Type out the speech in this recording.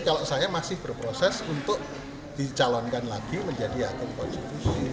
kalau saya masih berproses untuk dicalonkan lagi menjadi hakim konstitusi